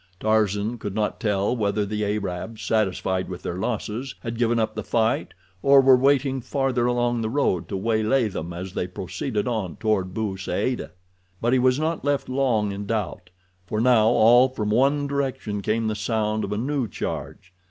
Tarzan could not tell whether the Arabs, satisfied with their losses, had given up the fight, or were waiting farther along the road to waylay them as they proceeded on toward Bou Saada. But he was not left long in doubt, for now all from one direction came the sound of a new charge.